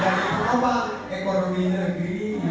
jadi kemampuan ekonomi negeri